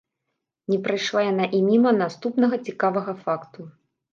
Не прайшла яна і міма наступнага цікавага факту.